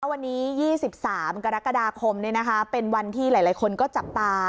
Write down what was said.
วันนี้๒๓กรกฎาคมเป็นวันที่หลายคนก็จับตา